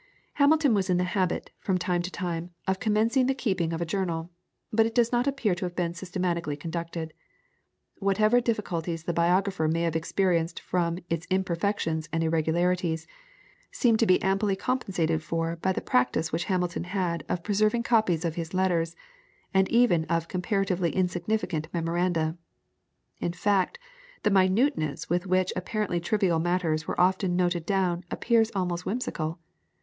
Hamilton was in the habit, from time to time, of commencing the keeping of a journal, but it does not appear to have been systematically conducted. Whatever difficulties the biographer may have experienced from its imperfections and irregularities, seem to be amply compensated for by the practice which Hamilton had of preserving copies of his letters, and even of comparatively insignificant memoranda. In fact, the minuteness with which apparently trivial matters were often noted down appears almost whimsical.